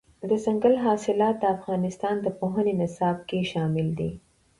دځنګل حاصلات د افغانستان د پوهنې نصاب کې شامل دي.